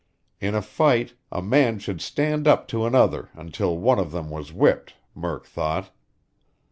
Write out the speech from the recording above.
In a fight, a man should stand up to another until one of them was whipped, Murk thought.